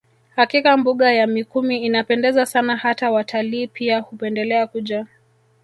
Hakika mbuga ya Mikumi inapendeza sana hata watalii pia hupendelea kuja